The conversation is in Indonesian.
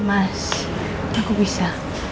mas aku bisa